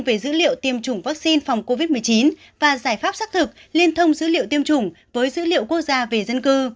về dữ liệu tiêm chủng vaccine phòng covid một mươi chín và giải pháp xác thực liên thông dữ liệu tiêm chủng với dữ liệu quốc gia về dân cư